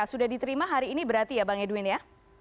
sudah diterima hari ini berarti ya bang edwin ya